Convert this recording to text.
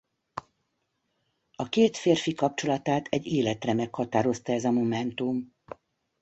A két férfi kapcsolatát egy életre meghatározta ez a momentum.